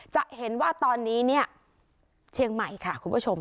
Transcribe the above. จะเห็นว่าตอนนี้เนี่ยเชียงใหม่ค่ะคุณผู้ชม